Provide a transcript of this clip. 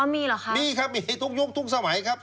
มีเหรอคะมีครับมีทุกยุคทุกสมัยครับ